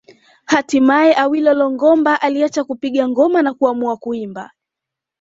Hatimaye Awilo Longomba aliacha kupiga ngoma na kuamua kuimba